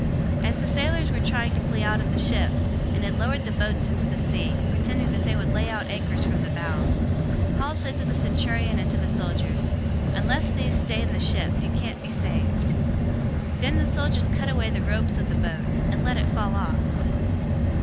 027:030 As the sailors were trying to flee out of the ship, and had lowered the boat into the sea, pretending that they would lay out anchors from the bow, 027:031 Paul said to the centurion and to the soldiers, "Unless these stay in the ship, you can't be saved." 027:032 Then the soldiers cut away the ropes of the boat, and let it fall off.